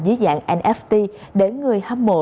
dưới dạng nft để người hâm mộ